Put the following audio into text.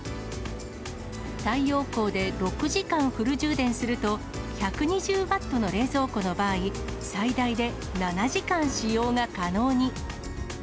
太陽光で６時間フル充電すると、１２０ワットの冷蔵庫の場合、最大で７時間使用が可能に。